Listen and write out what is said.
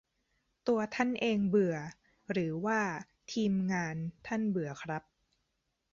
ตัวท่านเองเบื่อ หรือว่า ทีมงาน ท่านเบื่อครับ ?